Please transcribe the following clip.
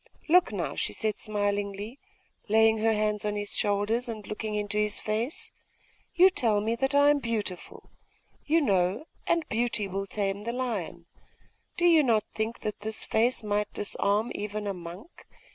'Look now,' she said smilingly, laying her hands on his shoulders, and looking into his face.... 'You tell me that I am beautiful, you know; and beauty will tame the lion. Do you not think that this face might disarm even a monk?